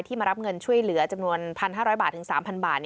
มารับเงินช่วยเหลือจำนวน๑๕๐๐บาทถึง๓๐๐บาท